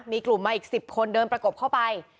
มีกลุ่มมาอีก๑๐คนเดินประกบเข้าไป